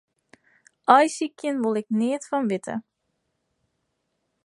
Aaisykjen wol ik neat fan witte.